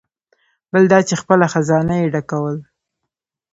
بل دا چې خپله خزانه یې ډکول.